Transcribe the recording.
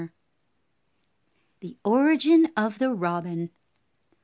54 THE ORIGIN OF THE ROBIN.